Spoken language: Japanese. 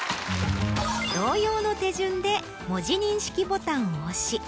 同様の手順で文字認識ボタンを押し